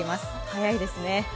早いですね。